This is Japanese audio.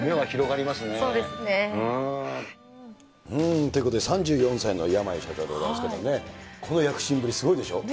そうですね。ということで、３４歳の山井社長でございますけれどもね、この躍進ぶり、すごいでしょ。